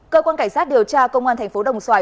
cơ quan cảnh sát điều tra công an thành phố đồng xoài